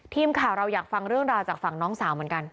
ทีมข่าวเราอยากฟังเรื่องราวจากฝั่งน้องสาวเหมือนกัน